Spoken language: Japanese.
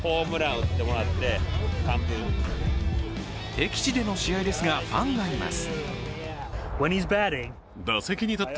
敵地での試合ですが、ファンがいます。